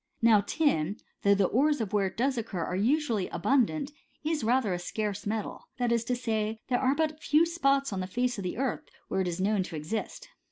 Now tin, though the ores of it where it does occur are usually abundant, is rather a scarce metal : that is to say, there are but few spots on the face of the earth where it is known to exist.